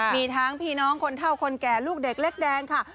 มีทั้งพี่น้องคนเท่าคนแก่ลูกเด็กเล็กแดงค่ะ